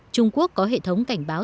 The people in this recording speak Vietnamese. trung quốc có hệ thống cảnh báo